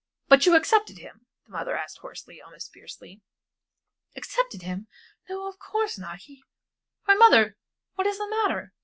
"But you accepted him?" the mother asked hoarsely, almost fiercely. "Accepted him? No, of course not he why, mother, what is the matter?"